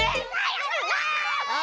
ああ！